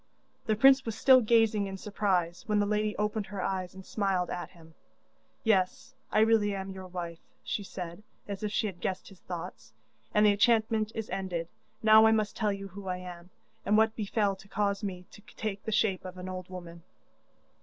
The prince was still gazing in surprise when the lady opened her eyes and smiled at him. 'Yes, I really am your wife,' she said, as if she had guessed his thoughts, 'and the enchantment is ended. Now I must tell you who I am, and what befell to cause me to take the shape of an old woman.